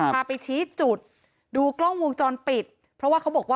พาไปชี้จุดดูกล้องวงจรปิดเพราะว่าเขาบอกว่า